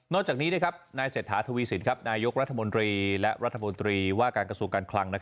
จากนี้นายเศรษฐาทวีสินนายกรัฐมนตรีและรัฐมนตรีว่าการกระทรวงการคลัง